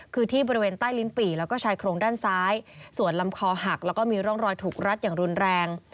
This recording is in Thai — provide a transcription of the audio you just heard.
คือที่บริเวณใต้ลิ้นปี่แล้วก็ชายโครงด้านซ้ายส่วนลำคอหักแล้วก็มีร่องรอยถูกรัดอย่างรุนแรง